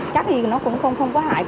cắt thì nó cũng không có hại